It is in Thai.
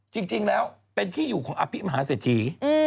จริงแล้วเป็นที่อยู่ของอภิมหาเศรษฐี